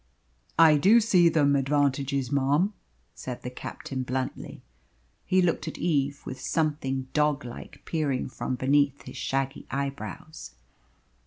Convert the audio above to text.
"I do see them advantages, marm," said the captain bluntly. He looked at Eve with something dog like peering from beneath his shaggy eyebrows.